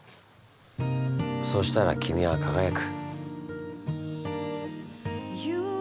そしたら君は輝く。